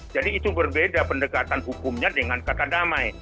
jadi itu berbeda pendekatan hukumnya dengan kata damai